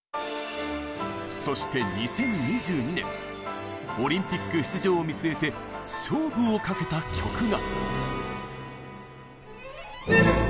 そして２０２２年オリンピック出場を見据えて勝負をかけた曲が。